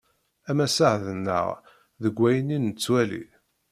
Ama sseɛd-nneɣ deg wayen i nettwali!